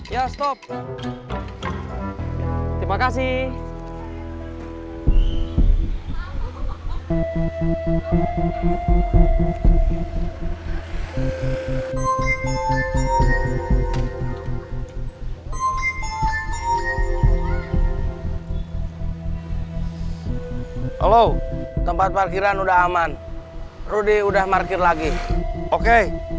ya stop terima kasih halo tempat parkiran udah aman rudy udah market lagi oke